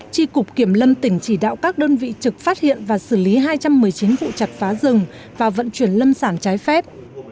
tri cục kiểm lâm tỉnh chỉ đạo các đơn vị trực phát hiện và xử lý hai trăm một mươi chín vụ chặt phá rừng và vận chuyển lâm sản trái phép